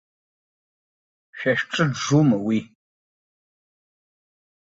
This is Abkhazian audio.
Шәа шәҿы джума уи?